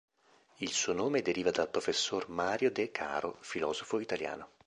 Il suo nome deriva dal professor Mario De Caro, filosofo italiano.